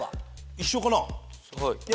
一緒かな。